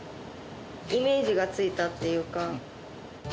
イメージがついたっていうか。